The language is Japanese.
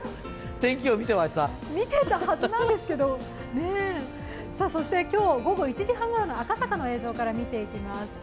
天気予報、見てたはずなんですけどそして今日、午後１時半ごろの赤坂の様子、見ていきます。